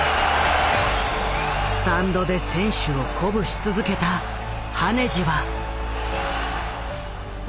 スタンドで選手を鼓舞し続けた羽地は。